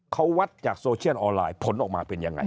เขาวัดจากโซเชียลออนไลน์ผลออกมาเป็นยังไง